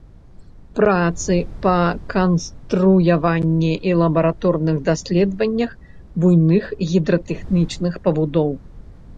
Працы па канструяванні і лабараторных даследаваннях буйных гідратэхнічных пабудоў.